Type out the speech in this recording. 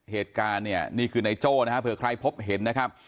เหตุการณ์เนี่ยนี่คือนายโจ้นะฮะเผื่อใครพบเห็นนะครับ